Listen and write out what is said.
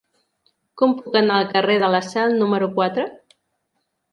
Com puc anar al carrer de la Sal número quatre?